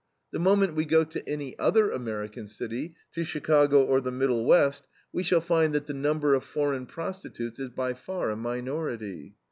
The moment we go to any other American city, to Chicago or the Middle West, we shall find that the number of foreign prostitutes is by far a minority.